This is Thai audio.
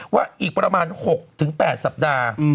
ว่าอีกประมาณ๖๘สัปดาห์